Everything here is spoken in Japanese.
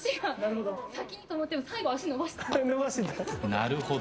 なるほど。